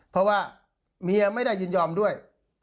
เพราะว่าเมียไม่ได้ยินยอมด้วย